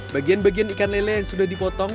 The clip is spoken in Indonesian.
bagian bagian ikan lele yang sudah dipotong